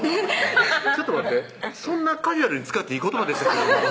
ちょっと待ってそんなカジュアルに使っていい言葉でしたっけ？